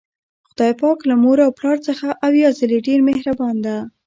خدای پاک له مور او پلار څخه اویا ځلې ډیر مهربان ده